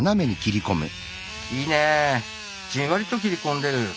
いいねじんわりと切り込んでる。